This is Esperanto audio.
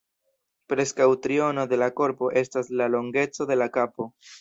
Preskaŭ triono de la korpo estas la longeco de la kapo.